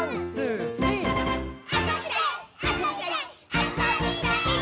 あそびたいっ！」